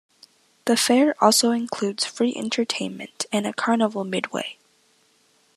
The fair also includes free entertainment and a carnival midway.